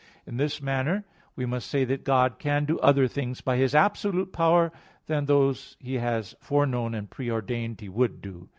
In this manner, we must say that God can do other things by His absolute power than those He has foreknown and pre ordained He would do.